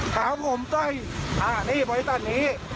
ขาวผมใจอ้างนี่บ่อยศัลนี้